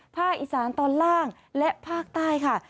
ภาคอีสานตอนล่างและภาคใต้ค่ะ